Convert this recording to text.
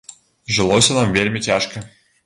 Жылося нам вельмі цяжка.